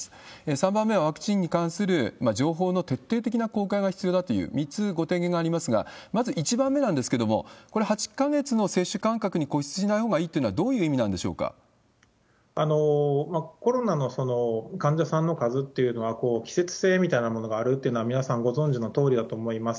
３番目は、ワクチンに関する情報の徹底的な公開が必要だという、３つご提言がありますが、まず１番目なんですけれども、これ、８か月の接種間隔に固執しないほうがいいっていうのはどういう意コロナの患者さんの数っていうのは、季節性みたいなものもあるっていうのは皆さんご存じのとおりだと思います。